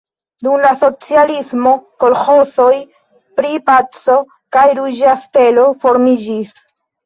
Dum la socialismo kolĥozoj pri Paco kaj Ruĝa Stelo formiĝis.